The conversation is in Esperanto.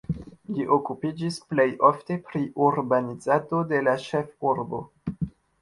Li okupiĝis plej ofte pri urbanizado de la ĉefurbo.